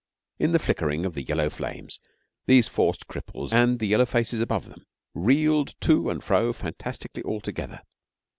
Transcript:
In the flickering of the yellow flames, these forced cripples and the yellow faces above them reeled to and fro fantastically all together.